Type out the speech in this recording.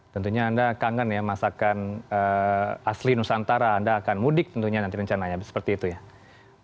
tentunya anda kangen ya masakan asli nusantara anda akan mudik tentunya nanti mencari masakan asli nusantara